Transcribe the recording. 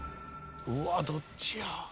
うわどっちや？